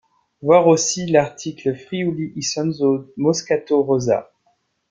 Voir aussi l’article Friuli Isonzo Moscato rosa.